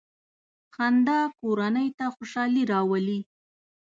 • خندا کورنۍ ته خوشحالي راولي.